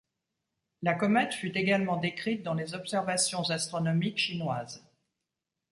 La comète fut également décrite dans les observations astronomiques chinoises.